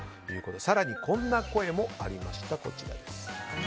更にこんな声もありました。